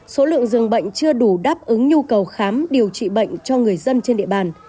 số lượng dường bệnh chưa đủ đáp ứng nhu cầu khám điều trị bệnh cho người dân trên địa bàn